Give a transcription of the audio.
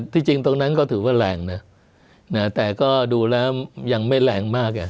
จริงตรงนั้นก็ถือว่าแรงนะแต่ก็ดูแล้วยังไม่แรงมากไง